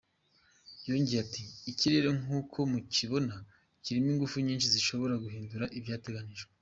Yongeye ati “Ikirere nk’uko mukibona, kirimo ingufu nyinshi zishobora guhindura ibyateganyijwe.